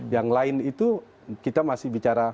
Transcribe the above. yang lain itu kita masih bicara